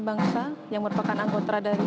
bangsa yang merupakan anggota dari